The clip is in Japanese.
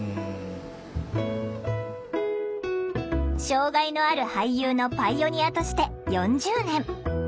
障害のある俳優のパイオニアとして４０年。